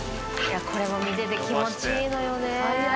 これも見てて気持ちいいのよね。